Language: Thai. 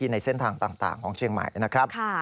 ในเส้นทางต่างของเชียงใหม่นะครับ